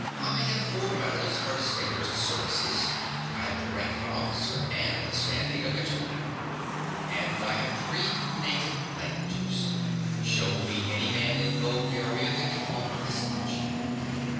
I have four medals for distinguished services; I have the rank of an officer and the standing of a gentleman; and I have three native languages. Show me any man in Bulgaria that can offer as much.